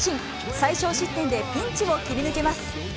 最少失点でピンチを切り抜けます。